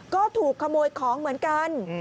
ก็ถูกขโมยของเหมือนกัน